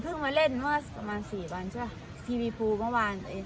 เพิ่งมาเล่นว่าสำหรับสี่วันใช่ป่ะทีวีพลูเมื่อวาน